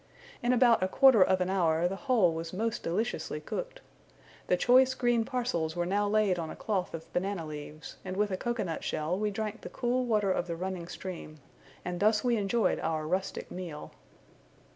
In about a quarter of an hour, the whole was most deliciously cooked. The choice green parcels were now laid on a cloth of banana leaves, and with a cocoa nut shell we drank the cool water of the running stream; and thus we enjoyed our rustic meal.